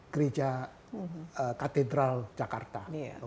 gereja katedral jakarta